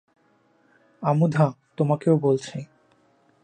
আমুধা, তোমাকেও বলছি।